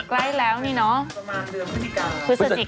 ประมาณเดือนพฤศจิกา